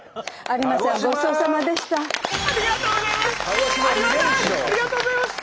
ありがとうございます！